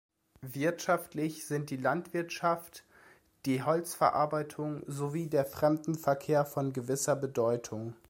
Wirtschaftlich sind die Landwirtschaft, die Holzverarbeitung sowie der Fremdenverkehr von gewisser Bedeutung.